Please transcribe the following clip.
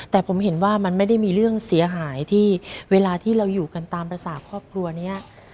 แต่ผมเห็นว่ามันไม่ได้มีเรื่องเสียหายที่เวลาที่เราอยู่กันตามภาษาครอบครัวนี้